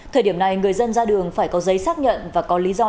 thời điểm này người dân ra đường phải có giấy xác nhận và có lý do